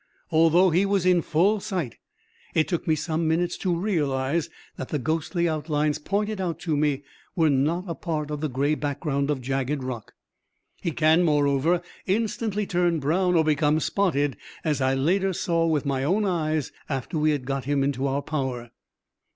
Although he was in full sight, it took me some minutes to realize that the ghostly outlines pointed out to me were not a part of the gray background of jagged rock. He can, moreover, instantly turn brown or become spotted, as I later saw with my own eyes after we had got him into our power.